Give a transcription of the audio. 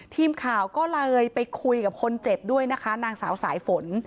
ทีมข่าวก็เลยไปคุยกับคนเจ็บด้วยนะคะนางสาวสายฝน